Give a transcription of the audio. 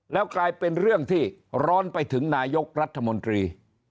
แล้วกลายเป็นเรื่องที่ร้อนไปถึงนายกรัฐมนตรี